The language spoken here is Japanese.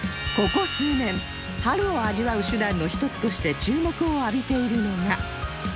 ここ数年春を味わう手段の一つとして注目を浴びているのが